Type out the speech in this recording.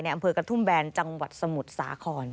อำเภอกระทุ่มแบนจังหวัดสมุทรสาคร